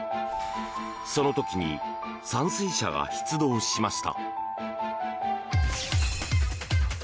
その時に散水車が出動しました。